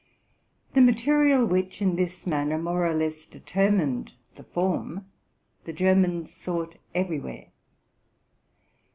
The material which, in this manner, more or less deter mined the form, the Germans sought everywhere.